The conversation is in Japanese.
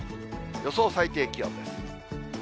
予想最低気温です。